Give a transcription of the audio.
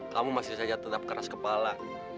kamu masih saja tetap keras kepala